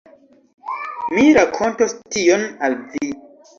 Mi rakontos tion al vi.